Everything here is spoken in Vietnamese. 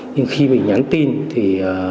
nhưng khi mình nhắn tin thì